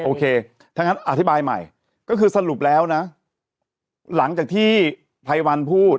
โอเคถ้างั้นอธิบายใหม่ก็คือสรุปแล้วนะหลังจากที่ไพรวันพูด